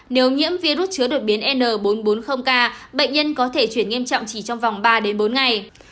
nếu nhiễm virus chứa đột biến n bốn trăm bốn mươi k bệnh nhân có thể chuyển nghiêm trọng chỉ trong vòng ba đến bốn ngày